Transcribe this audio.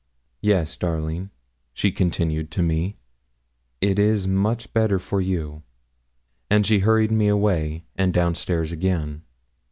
Yes, darling,' she continued to me, 'it is much better for you;' and she hurried me away, and down stairs again.